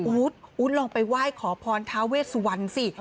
อุ๊ดลองไปไหว้ขอพรทาเวสวรรณสิ